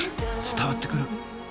伝わってくる。